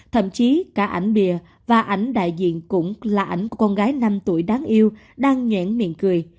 thậm chí cả ảnh bìa và ảnh đại diện cũng là ảnh của con gái năm tuổi đáng yêu đang nhảy miệng cười